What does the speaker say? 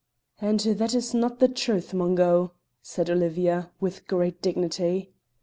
"And that is not the truth, Mungo," said Olivia, with great dignity.